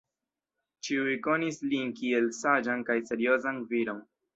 Ĉiuj konis lin kiel saĝan kaj seriozan viron.